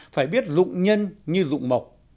phải biết dụng nhân như dụng mộc